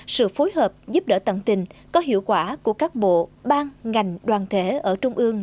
sự phối hợp giúp đỡ tận tình có hiệu quả của các bộ ban ngành đoàn thể ở trung ương